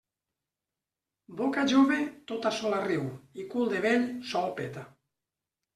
Boca jove tota sola riu i cul de vell sol peta.